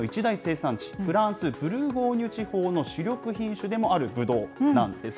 ワインの一大生産地、フランス・ブルゴーニュ地方の主力品種でもあるブドウなんですよ。